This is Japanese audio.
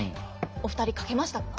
お二人書けましたか。